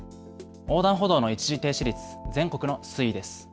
横断歩道の一時停止率、全国の推移です。